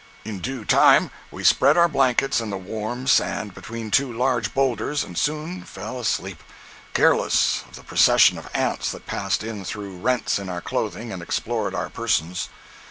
In due time we spread our blankets in the warm sand between two large boulders and soon feel asleep, careless of the procession of ants that passed in through rents in our clothing and explored our persons.